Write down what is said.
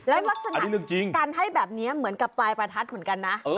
แล้วลักษณะการให้แบบนี้เหมือนกับปลายประทัดเหมือนกันนะ